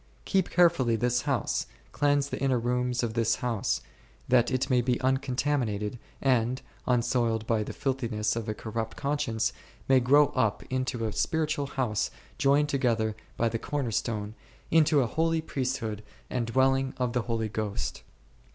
Keep carefully this house, cleanse the inner rooms of this house, that it may be uncontaminated, and, unsoiled by the filthi ness of a corrupt conscience, may grow up unto a spiritual house joined together by the Corner stone, into a holy priesthood and dwelling of the Holy Ghost.